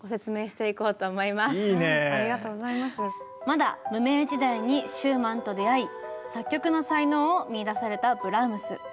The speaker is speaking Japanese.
まだ無名時代にシューマンと出会い作曲の才能を見いだされたブラームス。